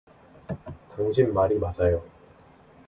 당신 말이 맞아요.